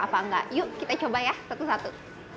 apa enggak yuk kita coba ya satu satu